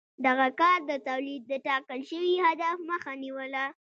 دغه کار د تولید د ټاکل شوي هدف مخه نیوله.